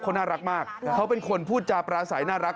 เขาน่ารักมากเขาเป็นคนพูดจาปราศัยน่ารัก